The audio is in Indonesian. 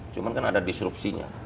cuma kan ada disrupsinya